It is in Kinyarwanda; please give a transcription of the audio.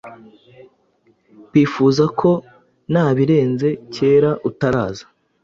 Bifuza ko nabirenze cyera utaraza